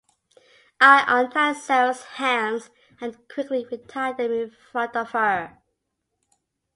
I untied Sarah's hands and quickly retied them in front of her.